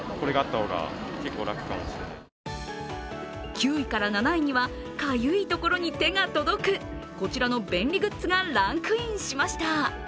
９位から７位にはかゆいところに手が届くこちらの便利グッズがランクインしました。